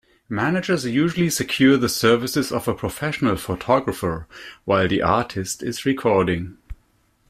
Managers usually secure the services of a professional photographer while the artist is recording.